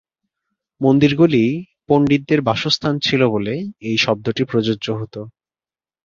মন্দিরগুলি পণ্ডিতদের বাসস্থান ছিল বলে এই শব্দটি প্রযোজ্য হত।